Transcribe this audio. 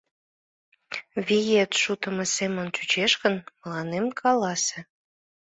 Виет шутымо семын чучеш гын, мыланем каласе.